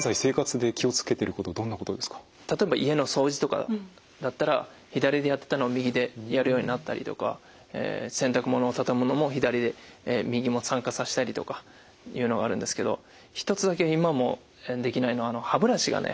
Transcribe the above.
例えば家の掃除とかだったら左でやってたのを右でやるようになったりとか洗濯物を畳むのも右も参加させたりとかいうのがあるんですけど一つだけ今もできないのは歯ブラシがね